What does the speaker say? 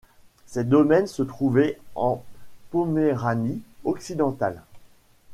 Ses domaines se trouvaient en Poméranie occidentale.